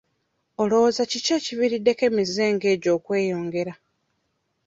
Olowooza kiki ekiviiriddeko emize nga egyo okweyongera?